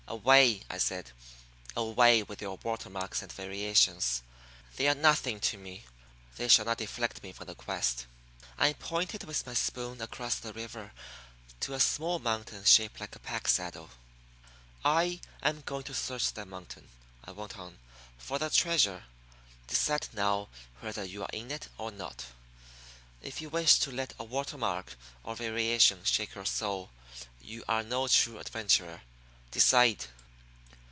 Away," I said "away with your water marks and variations! They are nothing to me. They shall not deflect me from the quest." I pointed with my spoon across the river to a small mountain shaped like a pack saddle. "I am going to search that mountain," I went on, "for the treasure. Decide now whether you are in it or not. If you wish to let a water mark or a variation shake your soul, you are no true adventurer. Decide."